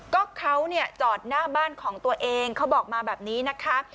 ก็เขาเนี่ยจอดหน้าบ้านของตัวเองเขาบอกมาแบบนี้นะคะ